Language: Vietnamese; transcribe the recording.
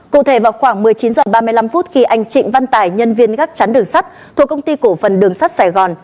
cụ thể vào khoảng một mươi chín h ba mươi năm khi anh trịnh văn tài nhân viên gắt chắn đường sắt thuộc công ty cổ phần đường sắt sài gòn